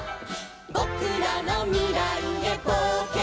「ぼくらのみらいへぼうけんだ」